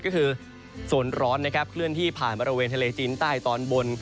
ก็คือโซนร้อนนะครับเคลื่อนที่ผ่านบริเวณทะเลจีนใต้ตอนบน